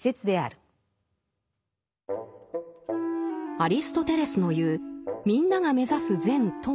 アリストテレスの言う「みんなが目指す善」とは何か？